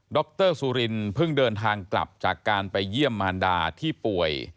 รสุรินเพิ่งเดินทางกลับจากการไปเยี่ยมมารดาที่ป่วย